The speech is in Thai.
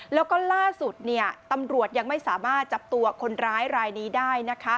แล้วก็ล่าสุดตำรวจยังไม่สามารถจับตัวคนร้ายรายนี้ได้